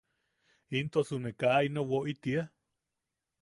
¿Intosu ne kaa ino woʼi tiia?